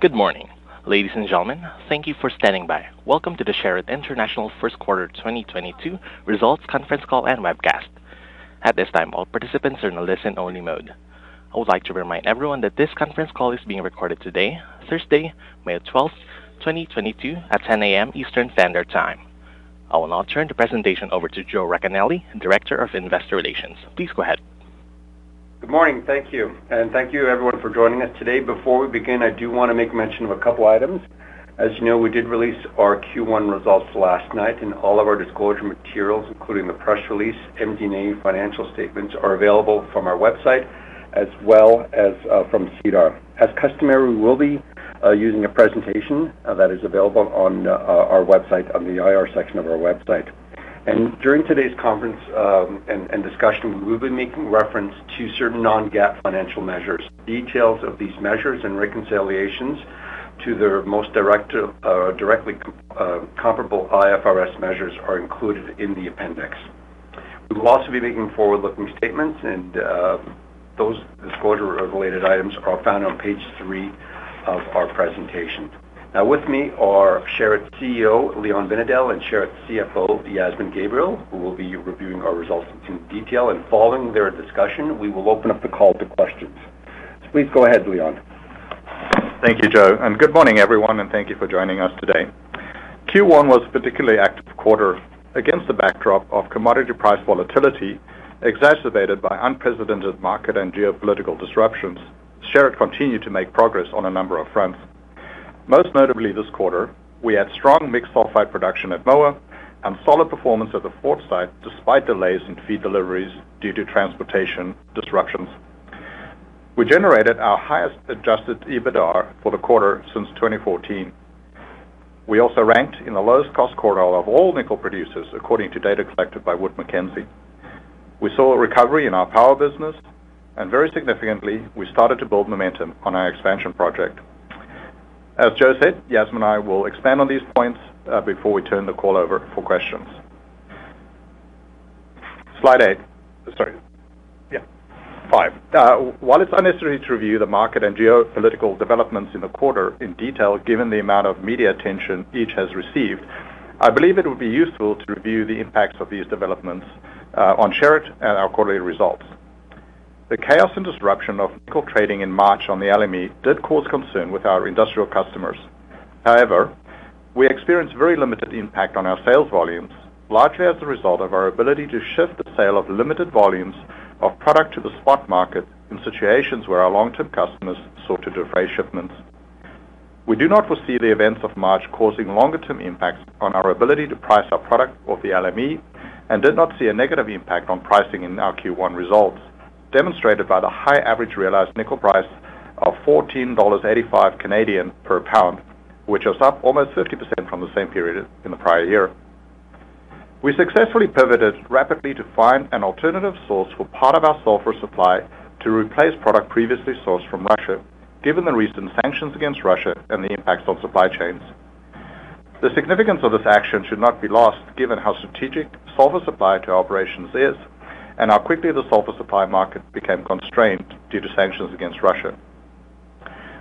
Good morning, ladies and gentlemen. Thank you for standing by. Welcome to the Sherritt International First Quarter 2022 Results Conference Call and Webcast. At this time, all participants are in listen-only mode. I would like to remind everyone that this conference call is being recorded today, Thursday, May 12, 2022, at 10:00 A.M. Eastern Standard Time. I will now turn the presentation over to Joe Racanelli, Director of Investor Relations. Please go ahead. Good morning. Thank you. Thank you everyone for joining us today. Before we begin, I do wanna make mention of a couple items. As you know, we did release our Q1 results last night, and all of our disclosure materials, including the press release, MD&A financial statements, are available from our website as well as from SEDAR. As customary, we will be using a presentation that is available on our website, on the IR section of our website. During today's conference and discussion, we will be making reference to certain non-GAAP financial measures. Details of these measures and reconciliations to their most directly comparable IFRS measures are included in the appendix. We will also be making forward-looking statements, and those disclosure related items are found on page three of our presentation. Now with me are Sherritt CEO, Leon Binedell, and Sherritt CFO, Yasmin Gabriel, who will be reviewing our results in detail. Following their discussion, we will open up the call to questions. Please go ahead, Leon. Thank you, Joe, and good morning everyone, and thank you for joining us today. Q1 was a particularly active quarter against the backdrop of commodity price volatility, exacerbated by unprecedented market and geopolitical disruptions. Sherritt continued to make progress on a number of fronts. Most notably this quarter, we had strong mixed sulfide production at Moa and solid performance at the Fort Site despite delays in feed deliveries due to transportation disruptions. We generated our highest adjusted EBITDA for the quarter since 2014. We also ranked in the lowest cost quartile of all nickel producers according to data collected by Wood Mackenzie. We saw a recovery in our power business, and very significantly, we started to build momentum on our expansion project. As Joe said, Yasmin and I will expand on these points before we turn the call over for questions. Slide five. While it's unnecessary to review the market and geopolitical developments in the quarter in detail, given the amount of media attention each has received, I believe it would be useful to review the impacts of these developments on Sherritt and our quarterly results. The chaos and disruption of nickel trading in March on the LME did cause concern with our industrial customers. However, we experienced very limited impact on our sales volumes, largely as a result of our ability to shift the sale of limited volumes of product to the spot market in situations where our long-term customers sought to defray shipments. We do not foresee the events of March causing longer term impacts on our ability to price our product off the LME and did not see a negative impact on pricing in our Q1 results, demonstrated by the high average realized nickel price of 14.85 Canadian dollars per pound, which is up almost 50% from the same period in the prior year. We successfully pivoted rapidly to find an alternative source for part of our sulfur supply to replace product previously sourced from Russia, given the recent sanctions against Russia and the impacts on supply chains. The significance of this action should not be lost given how strategic sulfur supply to our operations is and how quickly the sulfur supply market became constrained due to sanctions against Russia.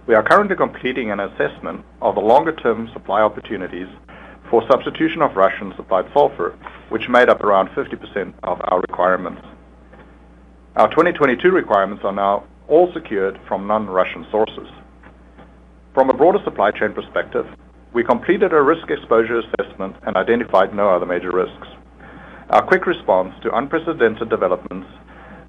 We are currently completing an assessment of the longer term supply opportunities for substitution of Russian-supplied sulfur, which made up around 50% of our requirements. Our 2022 requirements are now all secured from non-Russian sources. From a broader supply chain perspective, we completed a risk exposure assessment and identified no other major risks. Our quick response to unprecedented developments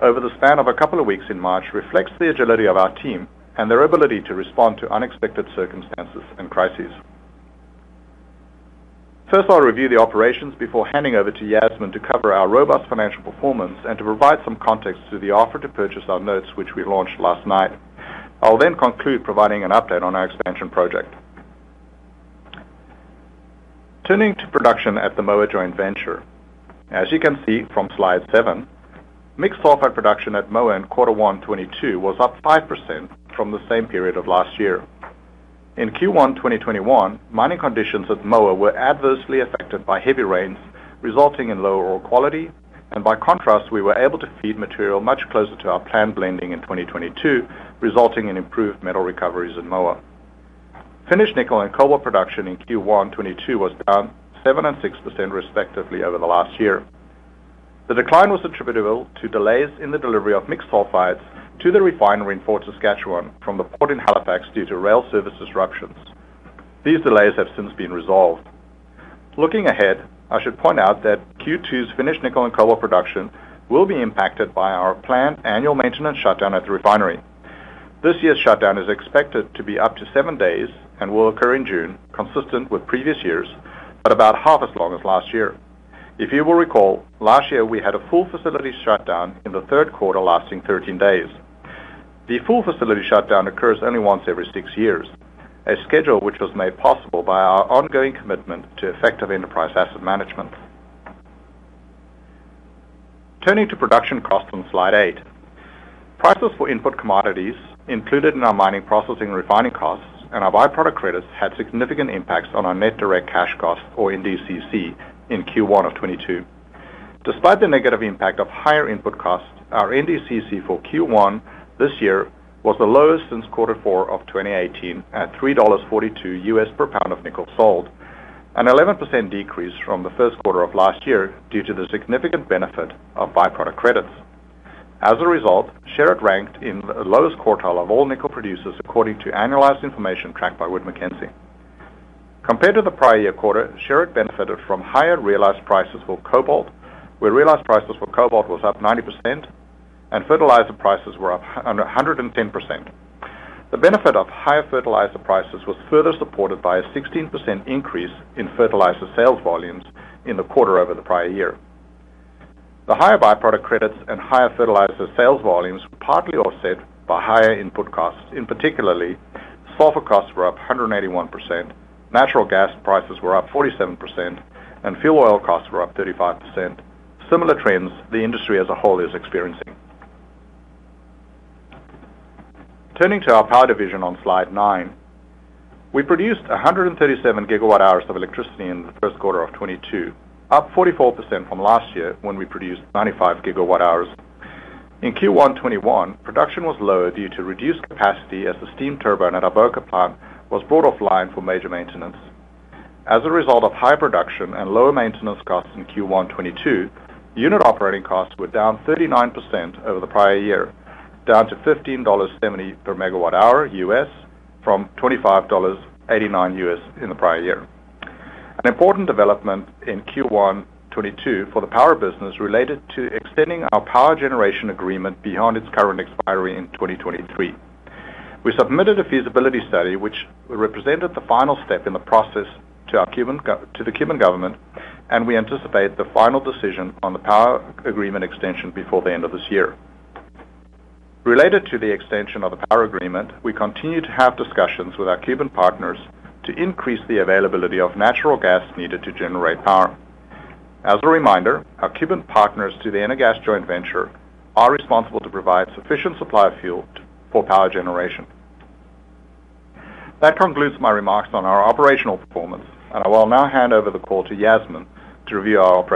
over the span of a couple of weeks in March reflects the agility of our team and their ability to respond to unexpected circumstances and crises. First, I'll review the operations before handing over to Yasmin to cover our robust financial performance and to provide some context to the offer to purchase our notes, which we launched last night. I'll then conclude providing an update on our expansion project. Turning to production at the Moa Joint Venture. As you can see from slide seven, mixed sulfide production at Moa in quarter one 2022 was up 5% from the same period of last year. In Q1 2021, mining conditions at Moa were adversely affected by heavy rains, resulting in lower ore quality. By contrast, we were able to feed material much closer to our planned blending in 2022, resulting in improved metal recoveries in Moa. Finished nickel and cobalt production in Q1 2022 was down 7% and 6% respectively over the last year. The decline was attributable to delays in the delivery of mixed sulfides to the refinery in Fort Saskatchewan from the port in Halifax due to rail service disruptions. These delays have since been resolved. Looking ahead, I should point out that Q2's finished nickel and cobalt production will be impacted by our planned annual maintenance shutdown at the refinery. This year's shutdown is expected to be up to seven days and will occur in June, consistent with previous years, but about half as long as last year. If you will recall, last year we had a full facility shutdown in the third quarter lasting 13 days. The full facility shutdown occurs only once every six years, a schedule which was made possible by our ongoing commitment to effective enterprise asset management. Turning to production cost on slide eight. Prices for input commodities included in our mining processing and refining costs and our by-product credits had significant impacts on our net direct cash costs or NDCC in Q1 2022. Despite the negative impact of higher input costs, our NDCC for Q1 this year was the lowest since Q4 2018 at $3.42 USD per pound of nickel sold, an 11% decrease from the first quarter of last year due to the significant benefit of by-product credits. As a result, Sherritt ranked in the lowest quartile of all nickel producers according to annualized information tracked by Wood Mackenzie. Compared to the prior year quarter, Sherritt benefited from higher realized prices for cobalt, where realized prices for cobalt was up 90% and fertilizer prices were up 110%. The benefit of higher fertilizer prices was further supported by a 16% increase in fertilizer sales volumes in the quarter over the prior year. The higher byproduct credits and higher fertilizer sales volumes were partly offset by higher input costs. In particular, sulfur costs were up 181%, natural gas prices were up 47%, and fuel oil costs were up 35%. Similar trends that the industry as a whole is experiencing. Turning to our power division on slide nine. We produced 137 GWh of electricity in the first quarter of 2022, up 44% from last year when we produced 95 GWh. In Q1 2021, production was lower due to reduced capacity as the steam turbine at our Boca plant was brought offline for major maintenance. As a result of high production and lower maintenance costs in Q1 2022, unit operating costs were down 39% over the prior year, down to $15.70 per MWh from $25.89 per MWh in the prior year. An important development in Q1 2022 for the power business related to extending our power generation agreement beyond its current expiry in 2023. We submitted a feasibility study which represented the final step in the process to the Cuban government, and we anticipate the final decision on the power agreement extension before the end of this year. Related to the extension of the power agreement, we continue to have discussions with our Cuban partners to increase the availability of natural gas needed to generate power. As a reminder, our Cuban partners in the Energas joint venture are responsible to provide sufficient supply of fuel for power generation. That concludes my remarks on our operational performance, and I will now hand over the call to Yasmin to review our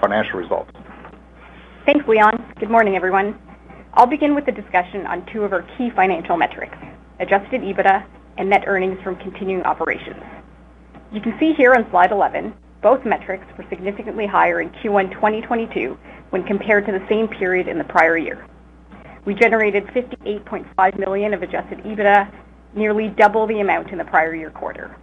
financial results. Thanks, Leon. Good morning, everyone. I'll begin with a discussion on two of our key financial metrics, adjusted EBITDA and net earnings from continuing operations. You can see here on slide 11, both metrics were significantly higher in Q1 2022 when compared to the same period in the prior year. We generated 58.5 million of adjusted EBITDA, nearly double the amount in the prior year quarter.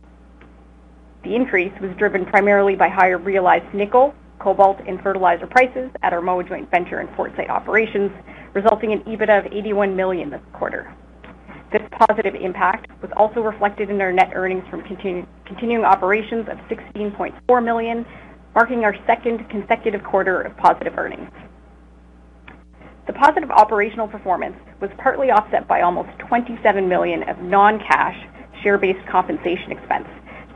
The increase was driven primarily by higher realized nickel, cobalt, and fertilizer prices at our Moa Joint Venture and Fort Site operations, resulting in EBITDA of 81 million this quarter. This positive impact was also reflected in our net earnings from continuing operations of 16.4 million, marking our second consecutive quarter of positive earnings. The positive operational performance was partly offset by almost 27 million of non-cash share-based compensation expense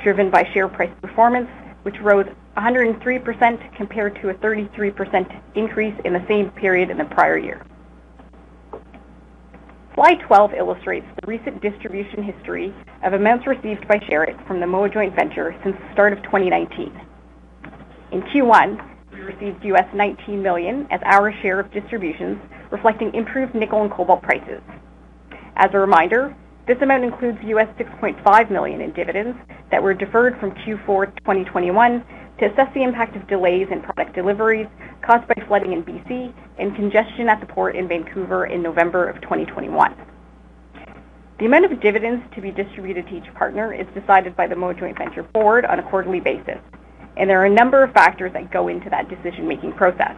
driven by share price performance, which rose 103% compared to a 33% increase in the same period in the prior year. Slide 12 illustrates the recent distribution history of amounts received by Sherritt from the Moa Joint Venture since the start of 2019. In Q1, we received $19 million as our share of distributions, reflecting improved nickel and cobalt prices. As a reminder, this amount includes $6.5 million in dividends that were deferred from Q4 2021 to assess the impact of delays in product deliveries caused by flooding in BC and congestion at the port in Vancouver in November of 2021. The amount of dividends to be distributed to each partner is decided by the Moa Joint Venture board on a quarterly basis, and there are a number of factors that go into that decision-making process.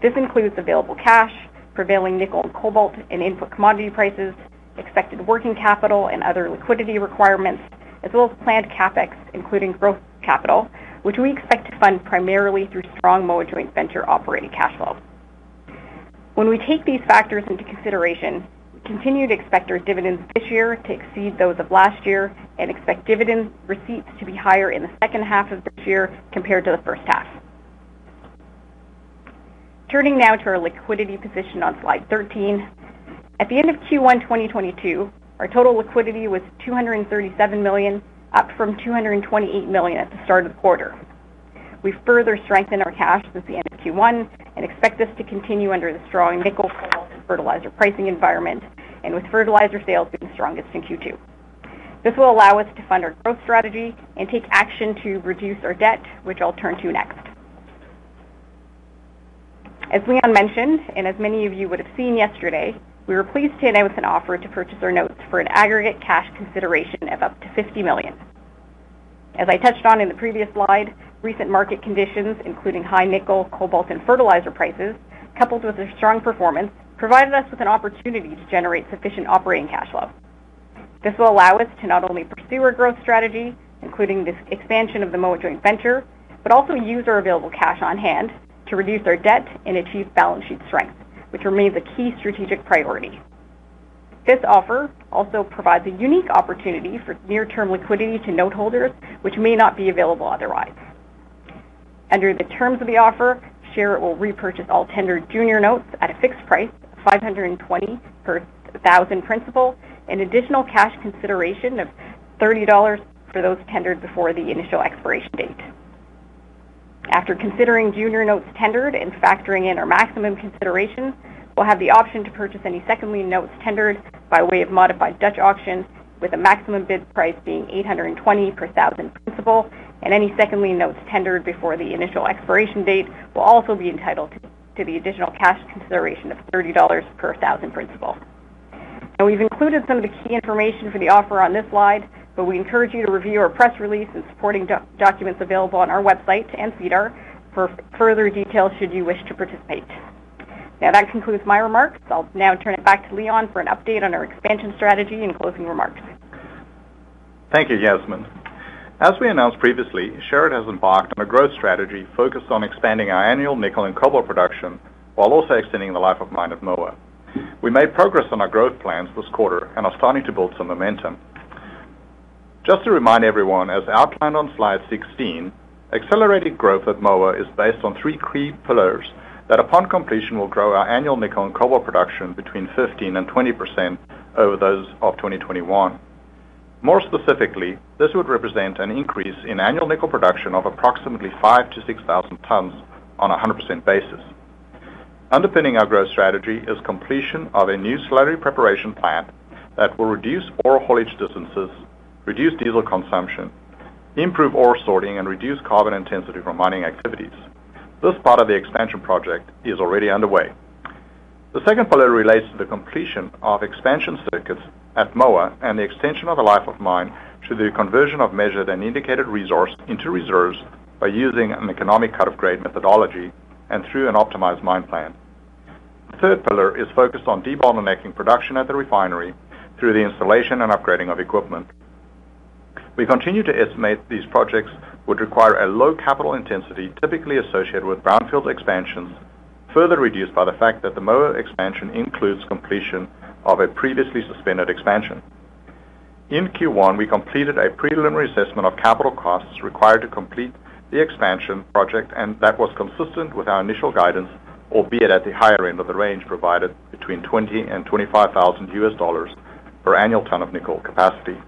This includes available cash, prevailing nickel and cobalt and input commodity prices, expected working capital and other liquidity requirements, as well as planned CapEx, including growth capital, which we expect to fund primarily through strong Moa Joint Venture operating cash flows. When we take these factors into consideration, we continue to expect our dividends this year to exceed those of last year and expect dividend receipts to be higher in the second half of this year compared to the first half. Turning now to our liquidity position on slide 13. At the end of Q1 2022, our total liquidity was 237 million, up from 228 million at the start of the quarter. We further strengthened our cash since the end of Q1 and expect this to continue under the strong nickel, cobalt, and fertilizer pricing environment and with fertilizer sales being strongest in Q2. This will allow us to fund our growth strategy and take action to reduce our debt, which I'll turn to next. As Leon mentioned, and as many of you would have seen yesterday, we were pleased to announce an offer to purchase our notes for an aggregate cash consideration of up to 50 million. As I touched on in the previous slide, recent market conditions, including high nickel, cobalt, and fertilizer prices, coupled with a strong performance, provided us with an opportunity to generate sufficient operating cash flow. This will allow us to not only pursue our growth strategy, including this expansion of the Moa Joint Venture, but also use our available cash on hand to reduce our debt and achieve balance sheet strength, which remains a key strategic priority. This offer also provides a unique opportunity for near-term liquidity to note holders which may not be available otherwise. Under the terms of the offer, Sherritt will repurchase all tendered junior notes at a fixed price of $520 per thousand principal, an additional cash consideration of $30 for those tendered before the initial expiration date. After considering junior notes tendered and factoring in our maximum consideration, we'll have the option to purchase any second lien notes tendered by way of modified Dutch auction, with a maximum bid price being $820 per $1,000 principal, and any second lien notes tendered before the initial expiration date will also be entitled to the additional cash consideration of $30 per $1,000 principal. Now, we've included some of the key information for the offer on this slide, but we encourage you to review our press release and supporting documents available on our website and SEDAR for further details should you wish to participate. Now, that concludes my remarks. I'll now turn it back to Leon for an update on our expansion strategy and closing remarks. Thank you, Yasmin. As we announced previously, Sherritt has embarked on a growth strategy focused on expanding our annual nickel and cobalt production while also extending the life of mine at Moa. We made progress on our growth plans this quarter and are starting to build some momentum. Just to remind everyone, as outlined on slide 16, accelerated growth at Moa is based on three key pillars that upon completion will grow our annual nickel and cobalt production between 15%-20% over those of 2021. More specifically, this would represent an increase in annual nickel production of approximately 5,000-6,000 tons on a 100% basis. Underpinning our growth strategy is completion of a new slurry preparation plant that will reduce ore haulage distances, reduce diesel consumption, improve ore sorting, and reduce carbon intensity from mining activities. This part of the expansion project is already underway. The second pillar relates to the completion of expansion circuits at Moa and the extension of the life of mine through the conversion of measured and indicated resource into reserves by using an economic cut-off grade methodology and through an optimized mine plan. The third pillar is focused on debottlenecking production at the refinery through the installation and upgrading of equipment. We continue to estimate these projects would require a low capital intensity typically associated with brownfield expansions, further reduced by the fact that the Moa expansion includes completion of a previously suspended expansion. In Q1, we completed a preliminary assessment of capital costs required to complete the expansion project, and that was consistent with our initial guidance, albeit at the higher end of the range provided between $20,000 and $25,000 per annual ton of nickel capacity.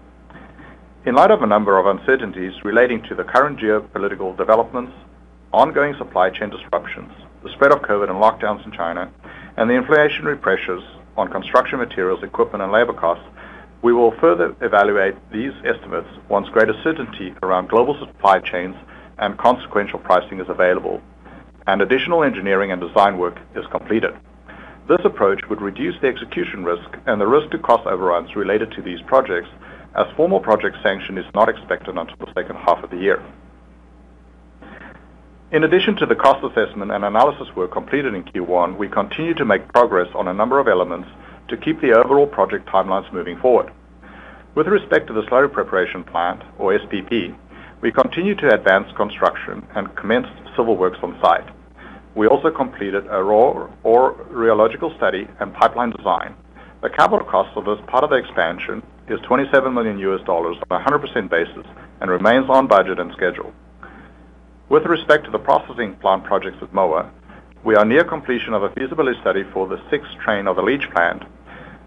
In light of a number of uncertainties relating to the current geopolitical developments, ongoing supply chain disruptions, the spread of COVID and lockdowns in China, and the inflationary pressures on construction materials, equipment, and labor costs, we will further evaluate these estimates once greater certainty around global supply chains and consequential pricing is available and additional engineering and design work is completed. This approach would reduce the execution risk and the risk to cost overruns related to these projects as formal project sanction is not expected until the second half of the year. In addition to the cost assessment and analysis work completed in Q1, we continue to make progress on a number of elements to keep the overall project timelines moving forward. With respect to the slurry preparation plant, or SPP, we continue to advance construction and commenced civil works on site. We also completed a raw ore rheological study and pipeline design. The capital cost for this part of the expansion is $27 million on a 100% basis and remains on budget and schedule. With respect to the processing plant projects at Moa, we are near completion of a feasibility study for the sixth train of the leach plant,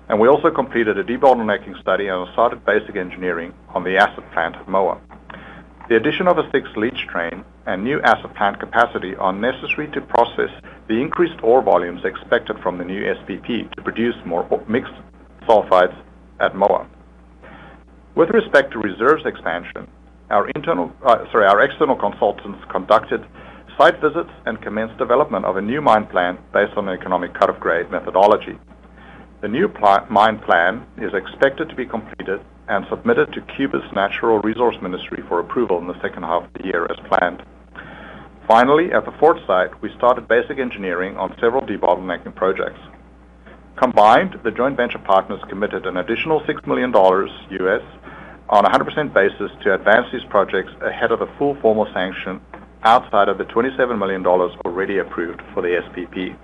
and we also completed a debottlenecking study and have started basic engineering on the acid plant at Moa. The addition of a sixth leach train and new acid plant capacity are necessary to process the increased ore volumes expected from the new SPP to produce more mixed sulfides at Moa. With respect to reserves expansion, our external consultants conducted site visits and commenced development of a new mine plan based on the economic cut-off grade methodology. The new mine plan is expected to be completed and submitted to Cuba's Natural Resource Ministry for approval in the second half of the year as planned. Finally, at the Fort Site, we started basic engineering on several debottlenecking projects. Combined, the joint venture partners committed an additional $6 million on a 100% basis to advance these projects ahead of a full formal sanction outside of the $27 million already approved for the SPP.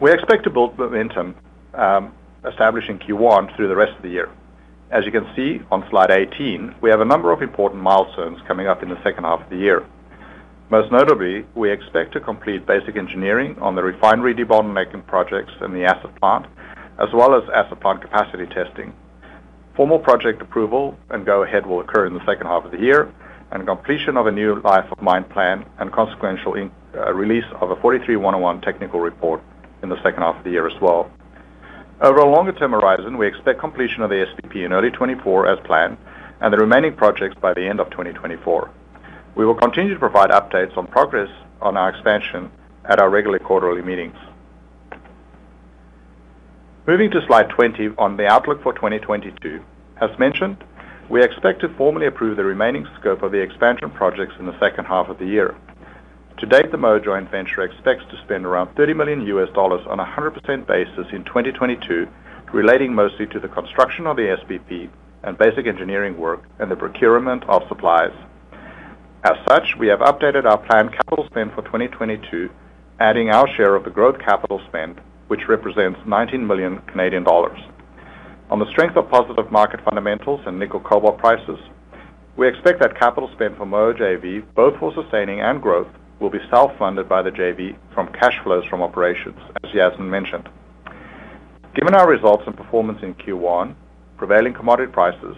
We expect to build momentum, establishing Q1 through the rest of the year. As you can see on slide 18, we have a number of important milestones coming up in the second half of the year. Most notably, we expect to complete basic engineering on the refinery debottlenecking projects and the acid plant, as well as acid plant capacity testing. Formal project approval and go ahead will occur in the second half of the year, and completion of a new life of mine plan and consequent release of a 43-101 technical report in the second half of the year as well. Over a longer-term horizon, we expect completion of the SPP in early 2024 as planned and the remaining projects by the end of 2024. We will continue to provide updates on progress on our expansion at our regular quarterly meetings. Moving to slide 20 on the outlook for 2022. As mentioned, we expect to formally approve the remaining scope of the expansion projects in the second half of the year. To date, the Moa Joint Venture expects to spend around $30 million on a 100% basis in 2022, relating mostly to the construction of the SPP and basic engineering work and the procurement of supplies. As such, we have updated our planned capital spend for 2022, adding our share of the growth capital spend, which represents 19 million Canadian dollars. On the strength of positive market fundamentals and nickel cobalt prices. We expect that capital spend for Moa JV, both for sustaining and growth, will be self-funded by the JV from cash flows from operations, as Yasmin mentioned. Given our results and performance in Q1, prevailing commodity prices,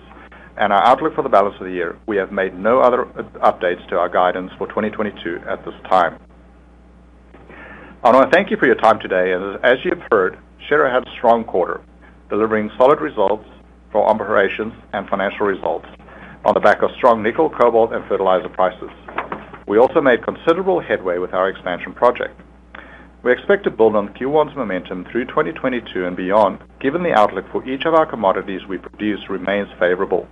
and our outlook for the balance of the year, we have made no other updates to our guidance for 2022 at this time. I want to thank you for your time today. As you have heard, Sherritt had a strong quarter, delivering solid results for operations and financial results on the back of strong nickel, cobalt, and fertilizer prices. We also made considerable headway with our expansion project. We expect to build on Q1's momentum through 2022 and beyond, given the outlook for each of our commodities we produce remains favorable.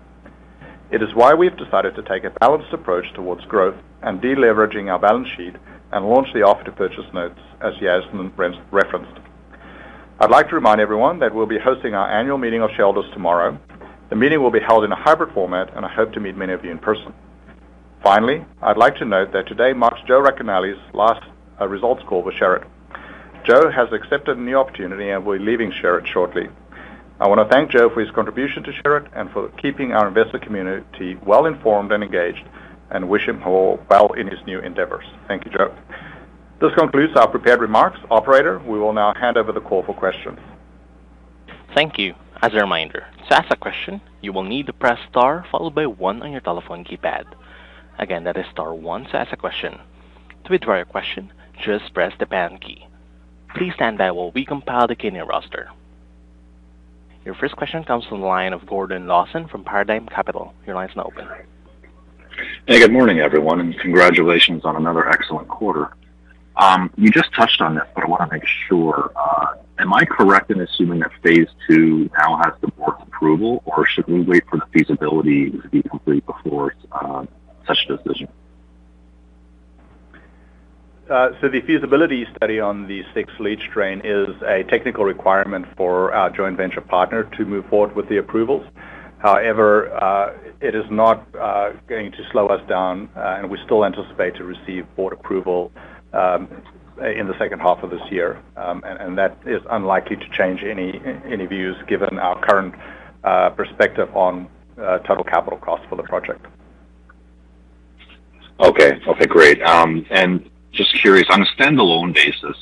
It is why we have decided to take a balanced approach towards growth and deleveraging our balance sheet and launch the offer to purchase notes, as Yasmine referenced. I'd like to remind everyone that we'll be hosting our annual meeting of shareholders tomorrow. The meeting will be held in a hybrid format, and I hope to meet many of you in person. Finally, I'd like to note that today marks Joe Racanelli's last results call with Sherritt. Joe has accepted a new opportunity and will be leaving Sherritt shortly. I want to thank Joe for his contribution to Sherritt and for keeping our investor community well-informed and engaged, and wish him all well in his new endeavors. Thank you, Joe. This concludes our prepared remarks. Operator, we will now hand over the call for questions. Thank you. As a reminder, to ask a question, you will need to press Star followed by one on your telephone keypad. Again, that is Star one to ask a question. To withdraw your question, just press the pound key. Please stand by while we compile the queuing roster. Your first question comes from the line of Gordon Lawson from Paradigm Capital. Your line is now open. Hey, good morning, everyone, and congratulations on another excellent quarter. You just touched on this, but I wanna make sure, am I correct in assuming that phase two now has the board's approval, or should we wait for the feasibility to be complete before such decision? The feasibility study on the sixth leach drain is a technical requirement for our joint venture partner to move forward with the approvals. However, it is not going to slow us down, and we still anticipate to receive board approval in the second half of this year. That is unlikely to change any views given our current perspective on total capital cost for the project. Okay. Okay, great. Just curious, on a standalone basis,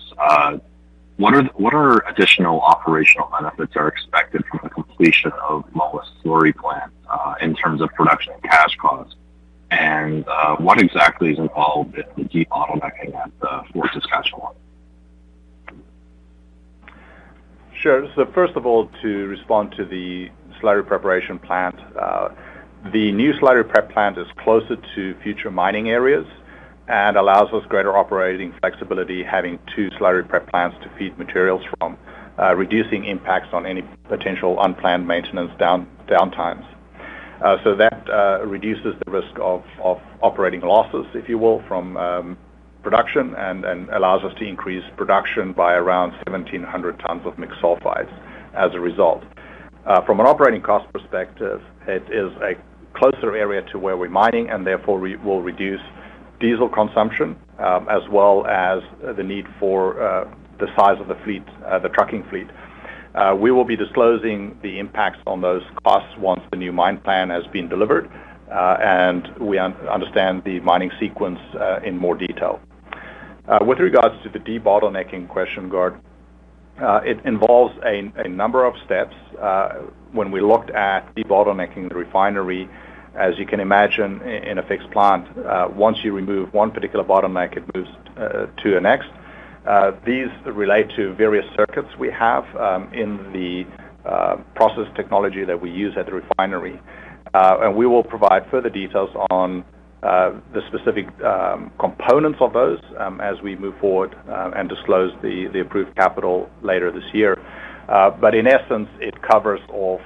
what are additional operational benefits are expected from the completion of Moa slurry plant in terms of production and cash costs? What exactly is involved in the debottlenecking at Fort Saskatchewan? Sure. First of all, to respond to the slurry preparation plant, the new slurry prep plant is closer to future mining areas and allows us greater operating flexibility, having two slurry prep plants to feed materials from, reducing impacts on any potential unplanned maintenance downtimes. That reduces the risk of operating losses, if you will, from production and allows us to increase production by around 1,700 tons of mixed sulfides as a result. From an operating cost perspective, it is a closer area to where we're mining, and therefore we will reduce diesel consumption, as well as the need for the size of the fleet, the trucking fleet. We will be disclosing the impacts on those costs once the new mine plan has been delivered, and we understand the mining sequence in more detail. With regards to the debottlenecking question, Gord, it involves a number of steps. When we looked at debottlenecking the refinery, as you can imagine in a fixed plant, once you remove one particular bottleneck, it moves to the next. These relate to various circuits we have in the process technology that we use at the refinery. We will provide further details on the specific components of those as we move forward and disclose the approved capital later this year. In essence, it covers off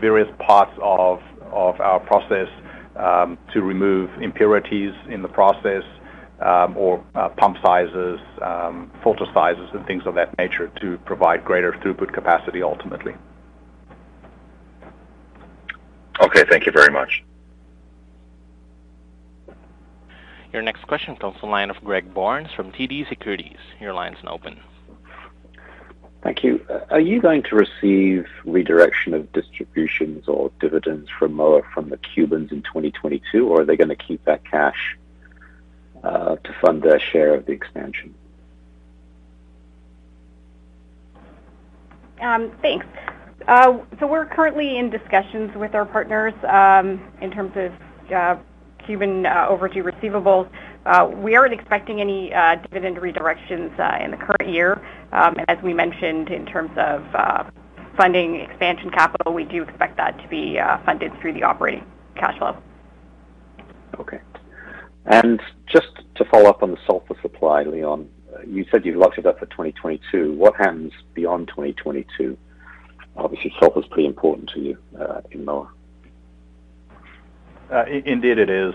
various parts of our process to remove impurities in the process or pump sizes, filter sizes and things of that nature to provide greater throughput capacity ultimately. Okay. Thank you very much. Your next question comes from the line of Greg Barnes from TD Securities. Your line is now open. Thank you. Are you going to receive redirection of distributions or dividends from Moa from the Cubans in 2022, or are they gonna keep that cash to fund their share of the expansion? Thanks. We're currently in discussions with our partners, in terms of Cuban overdue receivables. We aren't expecting any dividend redirections in the current year. As we mentioned, in terms of funding expansion capital, we do expect that to be funded through the operating cash flow. Okay. Just to follow up on the sulfur supply, Leon, you said you'd locked it up for 2022. What happens beyond 2022? Obviously, sulfur is pretty important to you, in Moa. Indeed it is.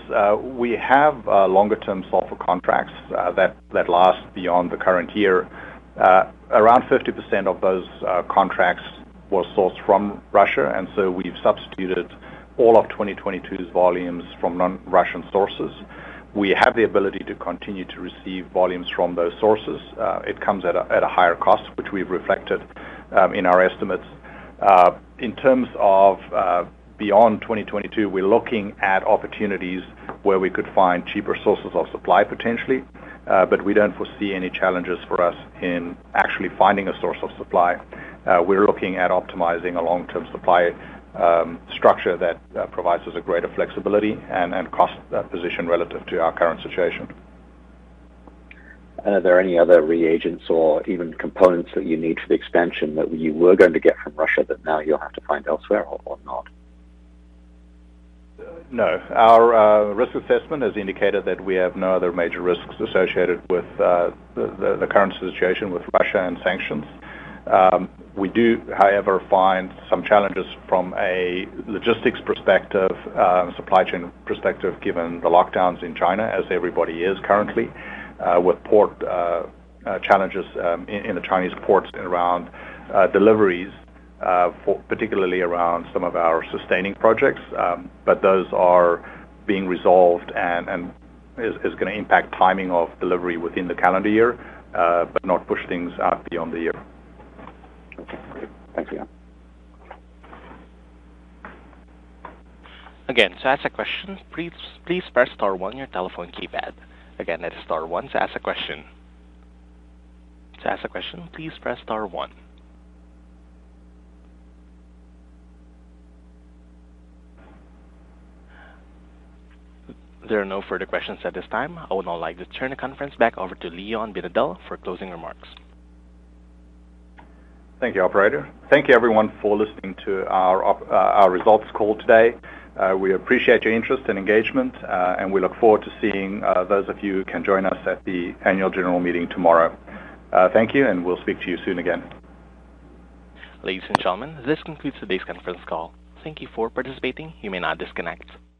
We have longer-term sulfur contracts that last beyond the current year. Around 50% of those contracts were sourced from Russia, and so we've substituted all of 2022's volumes from non-Russian sources. We have the ability to continue to receive volumes from those sources. It comes at a higher cost, which we've reflected in our estimates. In terms of beyond 2022, we're looking at opportunities where we could find cheaper sources of supply potentially, but we don't foresee any challenges for us in actually finding a source of supply. We're looking at optimizing a long-term supply structure that provides us greater flexibility and cost position relative to our current situation. Are there any other reagents or even components that you need for the expansion that you were going to get from Russia that now you'll have to find elsewhere or not? No. Our risk assessment has indicated that we have no other major risks associated with the current situation with Russia and sanctions. We do, however, find some challenges from a logistics perspective, supply chain perspective, given the lockdowns in China as everybody is currently with port challenges in the Chinese ports around deliveries for particularly around some of our sustaining projects. Those are being resolved and is gonna impact timing of delivery within the calendar year, but not push things out beyond the year. Okay, great. Thanks, Leon. Again, to ask a question, please press star one on your telephone keypad. Again, that's star one to ask a question. To ask a question, please press star one. There are no further questions at this time. I would now like to turn the conference back over to Leon Binedell for closing remarks. Thank you, operator. Thank you everyone for listening to our results call today. We appreciate your interest and engagement, and we look forward to seeing those of you who can join us at the annual general meeting tomorrow. Thank you, and we'll speak to you soon again. Ladies and gentlemen, this concludes today's conference call. Thank you for participating. You may now disconnect.